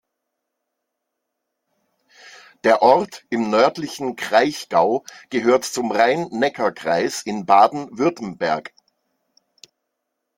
Der Ort im nördlichen Kraichgau gehört zum Rhein-Neckar-Kreis in Baden-Württemberg.